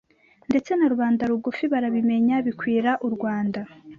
ndetse na rubanda rugufi barabimenya bikwira u R wanda